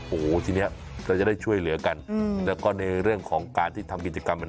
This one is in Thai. โอ้โหทีนี้เราจะได้ช่วยเหลือกันแล้วก็ในเรื่องของการที่ทำกิจกรรม